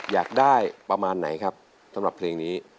อยากได้ประมาณไหนครับสำหรับเพลงนี้